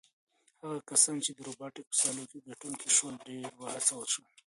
هغه کسان چې د روبوټیک په سیالیو کې ګټونکي شول ډېر وهڅول شول.